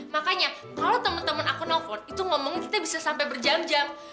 makanya kalau temen temen aku nelfon itu ngomongin kita bisa sampai berjam jam